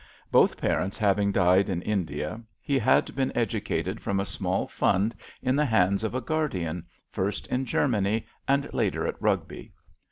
Both parents having died in India, he had been educated from a small fund in the hands of a guardian, first in Germany, and later at Rugby.